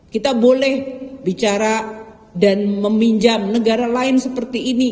kita boleh bicara dan meminjam negara lain seperti ini